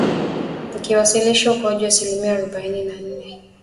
ikiwasilisha ukuaji wa asilimia harobaini na nne